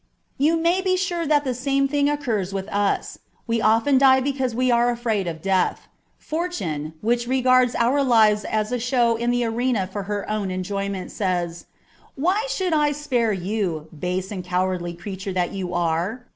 You may be sure that the same thing occurs with us : we often die because we are afraid of death. Fortune, which regards our lives as a show in the arena for her own enjoyment, says, "Why should I spare you, base and cowardly creature that you are